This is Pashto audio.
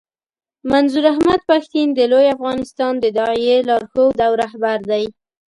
منظور احمد پښتين د لوی افغانستان د داعیې لارښود او رهبر دی.